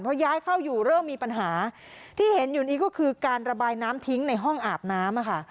พอย้ายเข้าอยู่เริ่มมีปัญหาที่เห็นอยู่นี้ก็คือการระบายน้ำทิ้งในห้องอาบน้ำค่ะ